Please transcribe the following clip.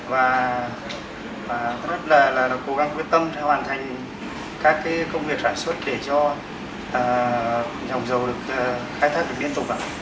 và rất là là cố gắng quyết tâm hoàn thành các cái công việc sản xuất để cho dòng dầu được khai thác được biên tục